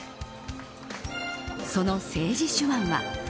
その政治手腕は。